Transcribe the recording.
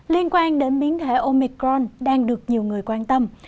liên quan đến biến thể omicron đang được nhiều người quan tâm